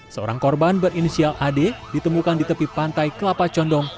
seorang korban berinisial ad ditemukan di tepi pantai kelapa condong